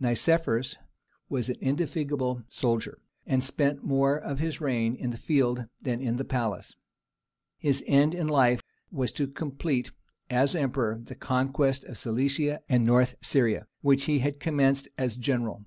Nicephorus was an indefatigable soldier, and spent more of his reign in the field than in the palace. His end in life was to complete, as emperor, the conquest of Cilicia and North Syria, which he had commenced as general.